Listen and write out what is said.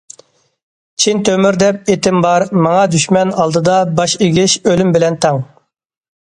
چىن تۆمۈر دەپ ئېتىم بار، ماڭا دۈشمەن ئالدىدا باش ئېگىش ئۆلۈم بىلەن تەڭ.